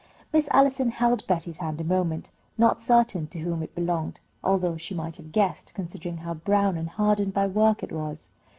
Miss Allison held Betty's hand a moment, not certain to whom it belonged, although she might have guessed, considering how brown and hardened by work it was.